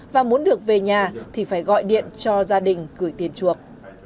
và muốn được về nhà thì phải gọi điện cho gia đình gửi tiền chuộc